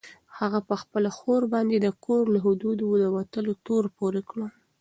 هغه په خپله خور باندې د کور له حدودو د وتلو تور پورې کړ.